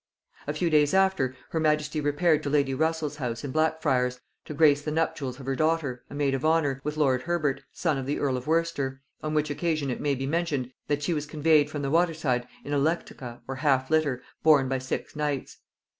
A few days after her majesty repaired to lady Russel's house in Blackfriars to grace the nuptials of her daughter, a maid of honor, with lord Herbert, son of the earl of Worcester; on which occasion it may be mentioned, that she was conveyed from the water side in a lectica, or half litter, borne by six knights.